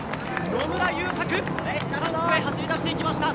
野村優作が３区で走り出していきました。